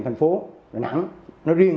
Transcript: thành phố đà nẵng nói riêng